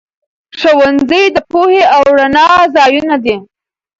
ښوونځي د پوهې او رڼا ځايونه دي.